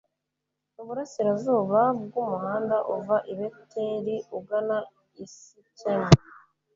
mu burasirazuba bw'umuhanda uva i beteli ugana i sikemu